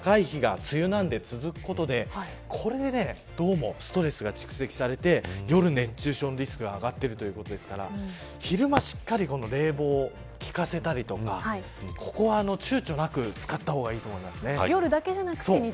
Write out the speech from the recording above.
３０度前後の湿度の高い日が梅雨なので、続くことでこれでどうもストレスが蓄積されて夜の熱中症のリスクが上がっているということですから昼間しっかり冷房をきかせたりとかここはちゅうちょなく使った方がいいと思います。